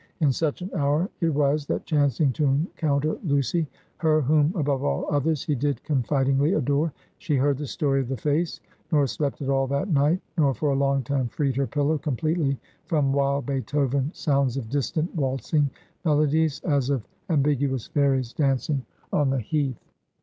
In such an hour it was, that chancing to encounter Lucy (her, whom above all others, he did confidingly adore), she heard the story of the face; nor slept at all that night; nor for a long time freed her pillow completely from wild, Beethoven sounds of distant, waltzing melodies, as of ambiguous fairies dancing on the heath.